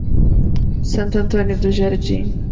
Santo Antônio do Jardim